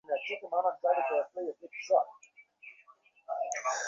শিকারিরা ওই তথ্য ব্যবহার করে বনে ওই প্রাণীর অবস্থান চিহ্নিত করে।